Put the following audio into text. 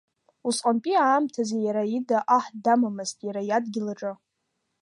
Усҟантәи аамҭазы иара ида аҳ дамамызт иара иадгьыл аҿы.